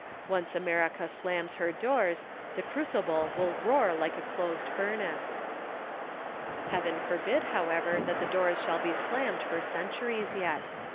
Once America slams her doors, the crucible will roar like a closed furnace. Heaven forbid, however, that the doors shall be slammed for centuries yet.